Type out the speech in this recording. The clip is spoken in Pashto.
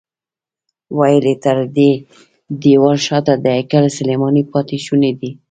ویل یې تر دې دیوال شاته د هیکل سلیماني پاتې شوني دي.